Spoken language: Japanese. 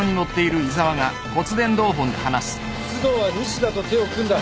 須藤は西田と手を組んだ。